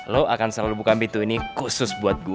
lo akan selalu buka pintu ini khusus buat gue